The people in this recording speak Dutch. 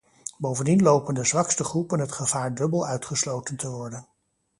Bovendien lopen de zwakste groepen het gevaar dubbel uitgesloten te worden.